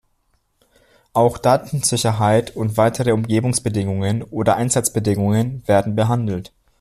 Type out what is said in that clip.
Auch Datensicherheit und weitere Umgebungsbedingungen oder Einsatzbedingungen werden behandelt.